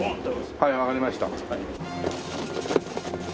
はいわかりました。